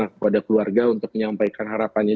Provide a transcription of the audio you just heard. kepada keluarga untuk menyampaikan harapannya